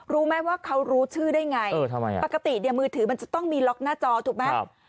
รู้ไหมว่าเขารู้ชื่อได้ไงปกติเนี่ยมือถือมันจะต้องมีล็อกหน้าจอถูกไหม